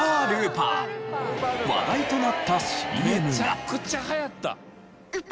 話題となったＣＭが。